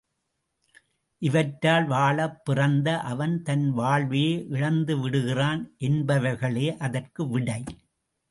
இவற்றால் வாழப் பிறந்த அவன் தன் வாழ்வையே இழந்துவிடுகிறான் என்பவைகளே அதற்கு விடை.